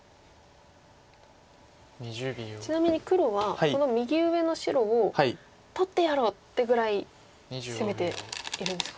ちなみに黒はこの右上の白を「取ってやろう！」ってぐらい攻めているんですか。